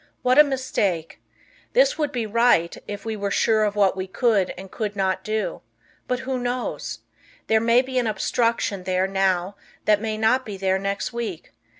What a mistake! This would be right, if we were sure of what we could and could not do. But who knows? There may be an obstruction there now that might not be there next week.